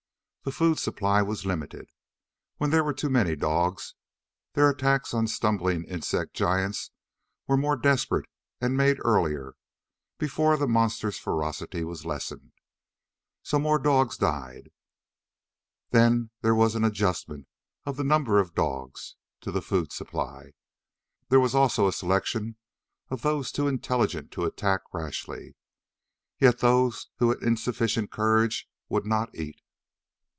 The food supply was limited. When there were too many dogs, their attacks on stumbling insect giants were more desperate and made earlier, before the monsters' ferocity was lessened. So more dogs died. Then there was an adjustment of the number of dogs to the food supply. There was also a selection of those too intelligent to attack rashly. Yet those who had insufficient courage would not eat.